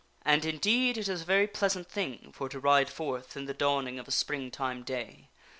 And, indeed it is a very pleasant thing for to ride forth in the dawning of a Springtime day.